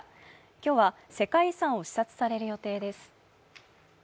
今日は、世界遺産を視察される予定です。